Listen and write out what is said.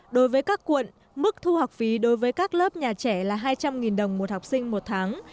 đối với các quận mức thu học phí đối với các lớp nhà trẻ là hai trăm linh đồng một học sinh một tháng